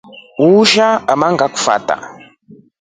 Uliisha ona ngakufata.